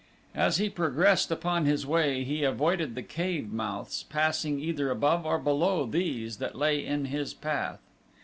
As he progressed upon his way he avoided the cave mouths, passing either above or below those that lay in his path.